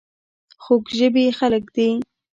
خوږ ژبې خلک دي .